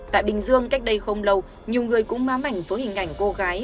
tại bình dương cách đây không lâu nhiều người cũng má mảnh với hình ảnh cô gái